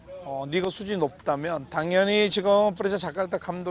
jika anda mencapai kekuatan yang tinggi seperti yang berkata presija jakarta